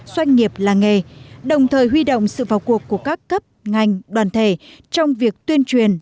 doanh nghiệp làng nghề đồng thời huy động sự vào cuộc của các cấp ngành đoàn thể trong việc tuyên truyền